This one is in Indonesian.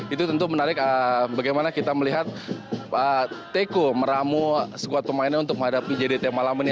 itu tentu menarik bagaimana kita melihat teko meramu squad pemainnya untuk menghadapi jdt malam ini